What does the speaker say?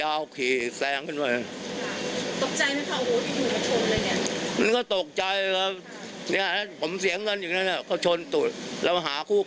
มันก็ตกใจเลยนะครับ